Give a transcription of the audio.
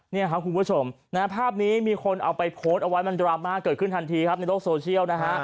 นี่ครับคุณผู้ชมภาพนี้มีคนเอาไปโพสต์เอาไว้มันดราม่าเกิดขึ้นทันทีครับในโลกโซเชียลนะฮะ